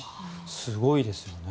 すごいですよね。